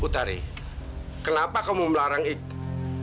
putari kenapa kamu melarang iksan